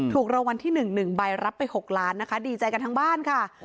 ถูกรางวัลที่๑๑ใบรับไป๖ล้านนะคะดีใจกันทั้งบ้านค่ะ